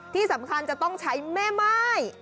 ที่สำคัญจะต้องใช้แม่ม่าย